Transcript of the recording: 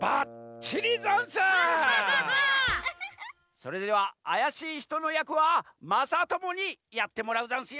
それではあやしいひとのやくはまさともにやってもらうざんすよ！